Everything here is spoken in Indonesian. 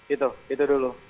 itu itu dulu